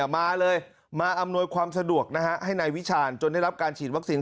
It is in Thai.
มาเลยมาอำนวยความสะดวกให้นายวิชาญจนได้รับการฉีดวัคซีน